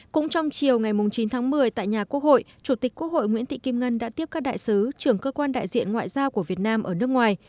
cũng trong chiều ngày chín tháng một mươi tại nhà quốc hội chủ tịch quốc hội nguyễn thị kim ngân đã tiếp các đại sứ trưởng cơ quan đại diện ngoại giao của việt nam ở nước ngoài